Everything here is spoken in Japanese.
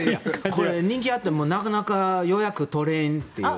これ、人気があってもなかなか予約取れんって。